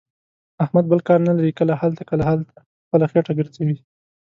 احمد بل کار نه لري. کله هلته، کله هلته، خپله خېټه ګرځوي.